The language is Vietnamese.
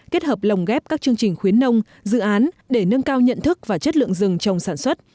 kết hợp lồng ghép các chương trình khuyến nông dự án để nâng cao nhận thức và chất lượng rừng trồng sản xuất